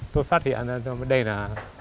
tôi phát hiện ra đây là